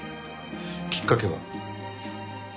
きっかけは？